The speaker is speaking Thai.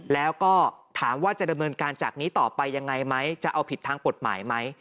แล้วก็ถามว่าจะดำเนินการจากนี้ต่อไปยังไงไหมจะเอาผิดทางกฎหมายไหม